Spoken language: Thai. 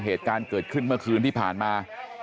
เหตุการณ์เกิดขึ้นเมื่อคืนที่ผ่านมา